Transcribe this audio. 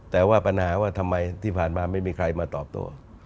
แต่ว่าปัญหาว่าทำไมที่ผ่านมาไม่มีใครมาตอบโต